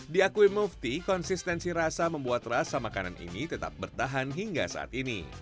diakui mufti konsistensi rasa membuat rasa makanan ini tetap bertahan hingga saat ini